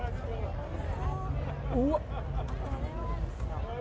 うわっ！